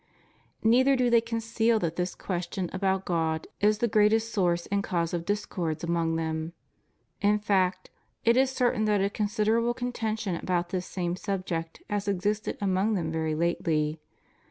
Neither do they conceal that this question about God is the greatest source and cause of discords among them; in fact, it is certain that a considerable contention about this same subject has existed among them very lately.